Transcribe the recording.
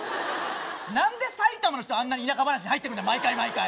何で埼玉の人あんなに田舎話に入ってくるんだ毎回毎回。